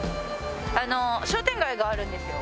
商店街があるんですよ。